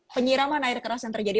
penyiraman air keras yang terjadi